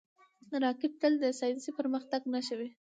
راکټ تل د ساینسي پرمختګ نښه وي